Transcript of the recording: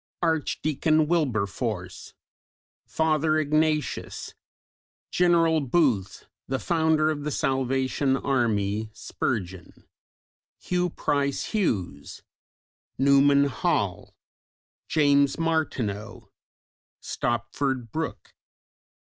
Archdeacon Wilberforce; Father Ignatius; General Booth, the founder of the Salvation Army; Spurgeon; Hugh Price Hughes; Newman Hall; James Martineau; Stopford Brooke.